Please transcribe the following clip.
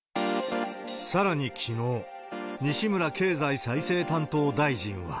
さらにきのう、西村経済再生担当大臣は。